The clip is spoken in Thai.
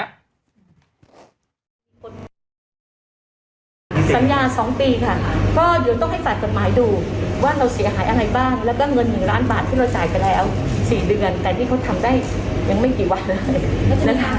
สัญญา๒ปีค่ะก็อยู่ต้องให้ฝากกันหมายดูว่าเราเสียหายอะไรบ้าง